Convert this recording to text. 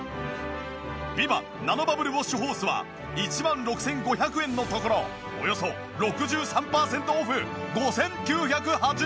ビバナノバブルウォッシュホースは１万６５００円のところおよそ６３パーセントオフ５９８０円！